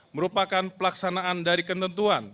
merupakan pelaksanaan dari ketentuan